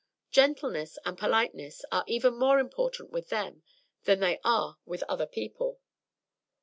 Gentleness and politeness are even more important with them than they are with other people."